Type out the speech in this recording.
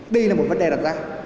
đây là một vấn đề đặt ra